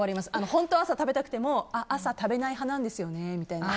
本当は朝食べたくても朝、食べない派なんですよねって。